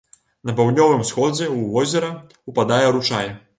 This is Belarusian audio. На паўднёвым усходзе ў возера ўпадае ручай.